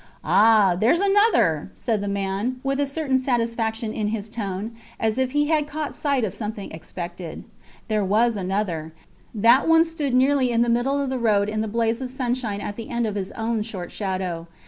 Ah! theres another, said the man, with a certain satisfaction in his tone, as if he had caught sight of something expected. There was another. That one stood nearly in the middle of the road in the blaze of sunshine at the end of his own short shadow.